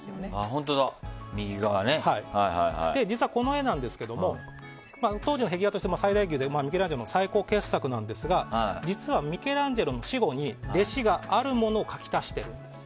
実はこの絵当時の壁画として最大級でミケランジェロの最高傑作なんですが実はミケランジェロの死後に弟子があるものを描き足しているんです。